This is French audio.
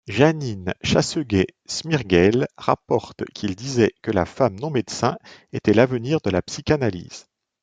Janine Chasseguet-Smirguel rapporte qu'il disait que la femme non-médecin était l'avenir de la psychanalyse.